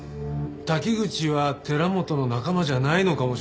滝口は寺本の仲間じゃないのかもしれない。